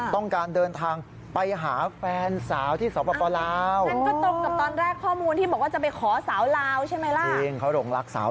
ต้องการเดินทางไปหาแฟนสาวที่สวปะปะลาว